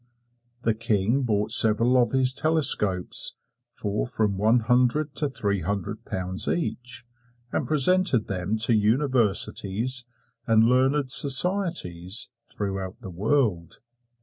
The King bought several of his telescopes for from one hundred to three hundred pounds each, and presented them to universities and learned societies throughout the world.